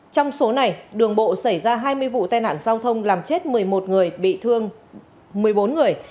trong số này đường bộ xảy ra hai mươi vụ tai nạn giao thông làm chết một mươi một người bị thương một mươi bốn người